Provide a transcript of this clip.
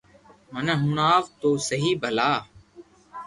مني ھڻاو تو سھي ڀلا